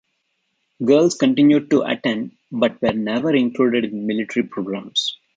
Girls continued to attend but were never included in military programs.